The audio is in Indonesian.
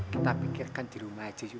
kita pikirkan di rumah aja